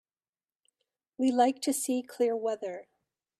We like to see clear weather.